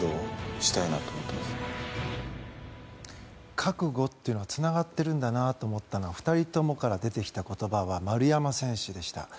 覚悟というのはつながっているんだなと思ったのは２人ともから出ててきた言葉は丸山選手でした。